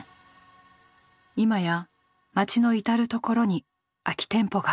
今や街の至る所に空き店舗が。